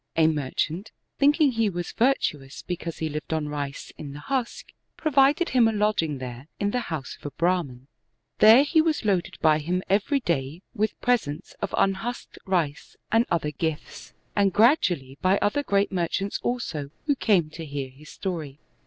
A merchant, thinking he was virtuous, because he lived on rice in the husk, provided him a lodging there in the house of a Brah man. There he was loaded by him every day with presents 178 The Brdhman Who Lost His Treasure of unhusked rice and other gifts, and gradually by other great merchants also, who came to hear his story.